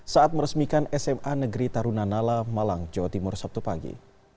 saat meresmikan sma negeri taruna nala malang jawa timur sabtu pagi